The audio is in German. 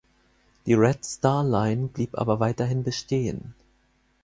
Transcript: Die Red Star Line blieb aber weiterhin bestehen.